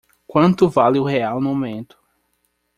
Quanto vale o real no momento?